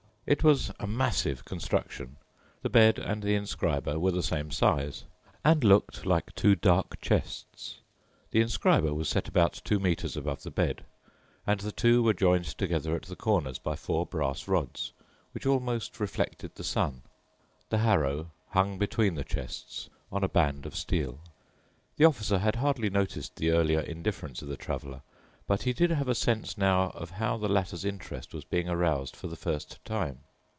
It was a massive construction. The bed and the inscriber were the same size and looked like two dark chests. The inscriber was set about two metres above the bed, and the two were joined together at the corners by four brass rods, which almost reflected the sun. The harrow hung between the chests on a band of steel. The Officer had hardly noticed the earlier indifference of the Traveler, but he did have a sense now of how the latter's interest was being aroused for the first time.